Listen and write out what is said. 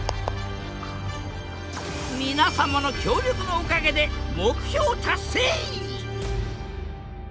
皆様の協力のおかげで目標達成！